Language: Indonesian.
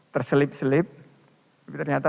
terselip selip tapi ternyata